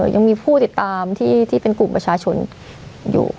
ยังมีผู้ติดตามที่เป็นกลุ่มประชาชนอยู่